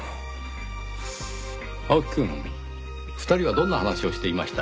青木くん２人はどんな話をしていました？